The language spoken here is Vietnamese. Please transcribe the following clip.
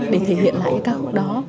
để thể hiện lại cái ca khúc đó